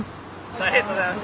ありがとうございます。